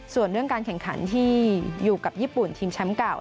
ส่วนเรื่องการแข่งขันที่อยู่กับญี่ปุ่นทีมแชมป์เก่า